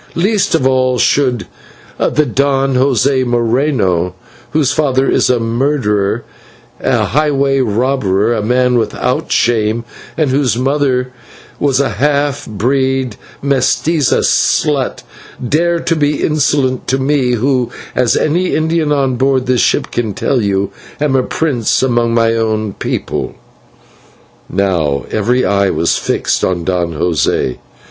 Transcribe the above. Least of all should the Don José Moreno, whose father is a murderer, a highway robber, and a man without shame, and whose mother was a half bred /mestiza/ slut, dare to be insolent to me who, as any Indian on board this ship can tell you, am a prince among my own people." Now every eye was fixed upon Don José.